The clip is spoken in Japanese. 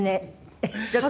ちょっと。